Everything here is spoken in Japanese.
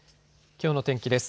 きょうの天気です。